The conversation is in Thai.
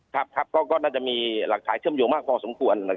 ครับก็น่าจะมีหลักฐานเชื่อมโยงมากพอสมควร